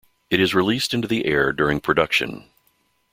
It is released into the air during production.